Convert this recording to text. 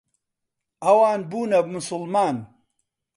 ئەوان بوونە موسڵمان.